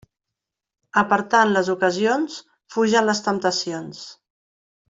Apartant les ocasions fugen les temptacions.